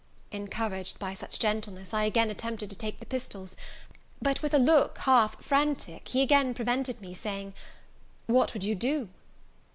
Encouraged by such gentleness, I again attempted to take the pistols; but, with a look half frantic, he again prevented me, saying "What would you do?"